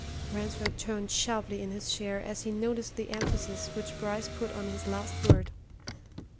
Ransford turned sharply in his chair as he noticed the emphasis which Bryce put on his last word.